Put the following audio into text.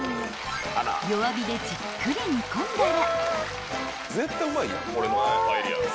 ［弱火でじっくり煮込んだら］